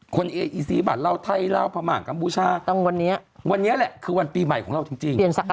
คนอีซีบัตรเล่าไทยเล่าพระมหากัมพูชาวันนี้แหละคือวันปีใหม่ของเราจริง